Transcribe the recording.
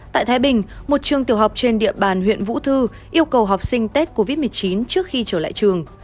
tại thái bình một trường tiểu học trên địa bàn huyện vũ thư yêu cầu học sinh tết covid một mươi chín trước khi trở lại trường